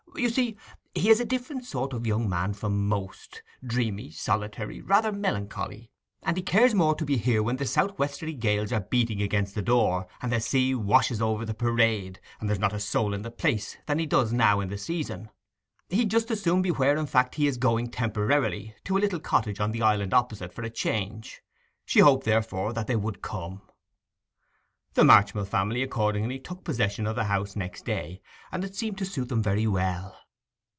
'You see, he's a different sort of young man from most—dreamy, solitary, rather melancholy—and he cares more to be here when the south westerly gales are beating against the door, and the sea washes over the Parade, and there's not a soul in the place, than he does now in the season. He'd just as soon be where, in fact, he's going temporarily, to a little cottage on the Island opposite, for a change.' She hoped therefore that they would come. The Marchmill family accordingly took possession of the house next day, and it seemed to suit them very well.